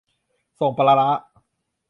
ส่งปลาร้า